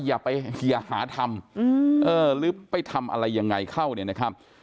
อย่าไปอย่าหาทำหรือไปทำอะไรยังไงเข้าเนี่ยนะครับ